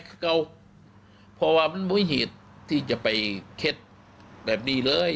กล้าเก่าพอว่ามันมุษยศที่จะไปเท็จแบบนี้เลย